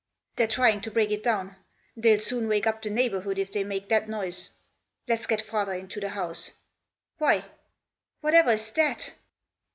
"They're trying to break it down; they'll soon wake up the neighbourhood if they make that noise. Let's get farther into the house. Why — whatever's that?"